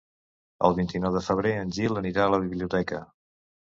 El vint-i-nou de febrer en Gil anirà a la biblioteca.